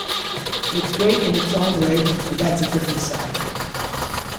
It's great in its own way, but that's a different side.